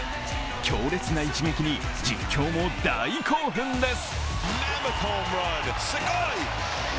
強烈な一撃に実況も大興奮です。